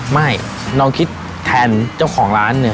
ไม่เราคิดแทนเจ้าของร้าน